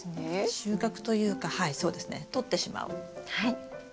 収穫というかはいそうですねとってしまう。